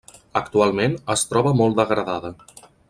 Actualment es troba molt degradada.